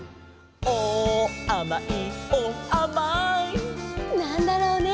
「おおあまいおおあまい」なんだろうね？